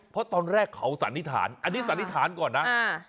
เพราะตอนแรกเขาสันนิษฐานอันนี้สันนิษฐานก่อนนะ